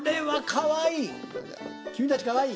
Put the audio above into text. かわいい！